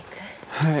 はい。